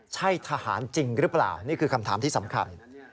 ใช่ทหารจริงหรือเปล่านี่คือคำถามที่สำคัญ